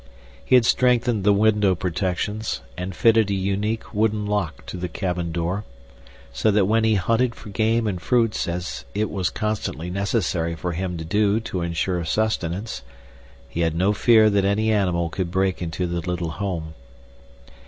He had strengthened the window protections and fitted a unique wooden lock to the cabin door, so that when he hunted for game and fruits, as it was constantly necessary for him to do to insure sustenance, he had no fear that any animal could break into the little home.